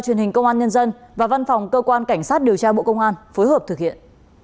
truyền hình công an nhân dân và văn phòng cơ quan cảnh sát điều tra bộ công an phối hợp thực hiện